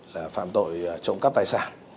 là phạm tội trộm cắp tài sản